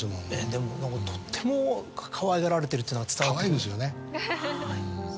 でもとってもかわいがられてるっていうのが伝わって。